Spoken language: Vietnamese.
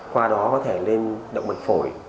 qua đó có thể lên động mạch phổi